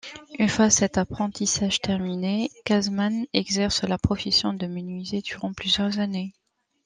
Une fois cet apprentissage terminé, Katzmann exerce la profession de menuisier durant plusieurs années.